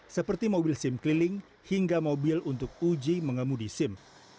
seperti mobil sim keliling hingga mobil untuk uji mengemudi sim